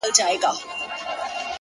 • بس یوازي د یوه سړي خپلیږي,